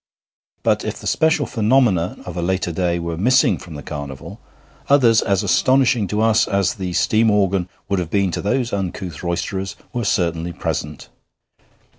But if the special phenomena of a later day were missing from the carnival, others, as astonishing to us as the steam organ would have been to those uncouth roisterers, were certainly present.